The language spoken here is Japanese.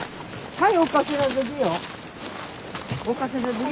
はい。